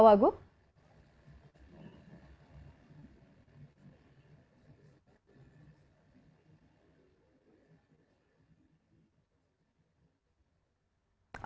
jadi ini sudah menjadi satu kesatuan yang dapat